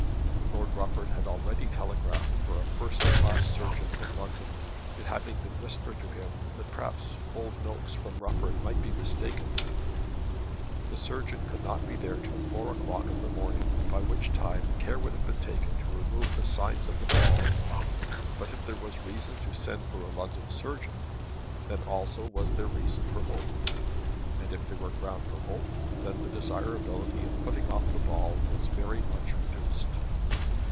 Lord Rufford had already telegraphed for a first class surgeon from London, it having been whispered to him that perhaps Old Nokes from Rufford might be mistaken. The surgeon could not be there till four o'clock in the morning by which time care would have been taken to remove the signs of the ball; but if there was reason to send for a London surgeon, then also was there reason for hope; and if there were ground for hope, then the desirability of putting off the ball was very much reduced.